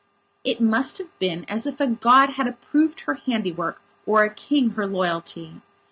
It must have been as if a god had approved her handiwork or a king her loyalty.